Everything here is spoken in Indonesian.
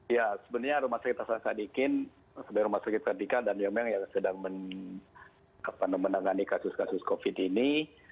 ya sebenarnya rumah sakit hasan sadikin rumah sakit vertikal dan yomeng yang sedang menangani kasus kasus covid ini